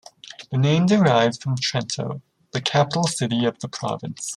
The name derives from Trento, the capital city of the province.